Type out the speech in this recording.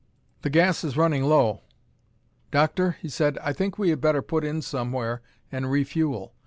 "The gas is running low. Doctor," he said. "I think we had better put in somewhere and refuel.